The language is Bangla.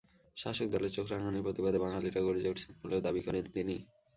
শাসক দলের চোখরাঙানির প্রতিবাদে বাঙালিরা গর্জে উঠছেন বলেও দাবি করেন তিনি।